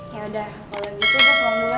yaudah kalo gitu gue pulang duluan ya